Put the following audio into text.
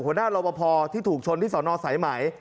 หัวหน้ารวมพอที่ถูกชนที่สนสายหมาย